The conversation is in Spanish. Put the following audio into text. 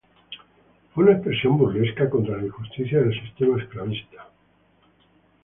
Fue una expresión burlesca contra la injusticia del sistema esclavista.